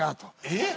えっ！